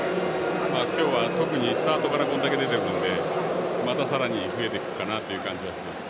今日は特にスタートからこれだけ出ているのでまた、さらに増えていく感じがします。